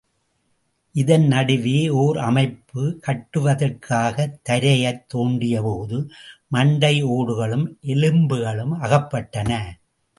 இதன் நடுவே ஓர் அமைப்பு கட்டுவதற்காகத் தரையைத் தோண்டியபோது மண்டை ஓடுகளும் எலும்புகளும் அகப்பட்டன.